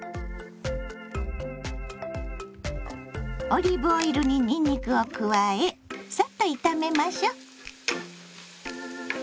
オリーブオイルににんにくを加えさっと炒めましょ。